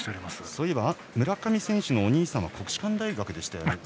そういえば村上選手のお兄さんは国士舘大学でしたよね。